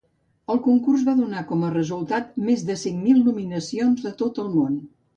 El concurs va donar com a resultat més de cinc mil nominacions de tot el món.